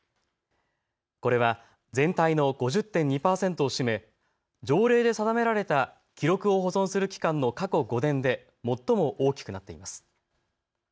これは全体の５０．２％を占め条例で定められた記録を保存する期間の過去５年で最も大きくなっています。